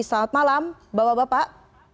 selamat malam bapak bapak